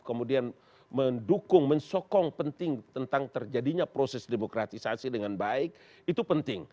kemudian mendukung mensokong penting tentang terjadinya proses demokratisasi dengan baik itu penting